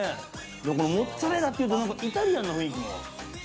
モッツァレラというイタリアンな雰囲気も。